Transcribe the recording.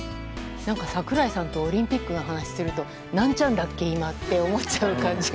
櫻井さんとオリンピックのお話すると何ちゃんだっけ今？って思っちゃう感じが。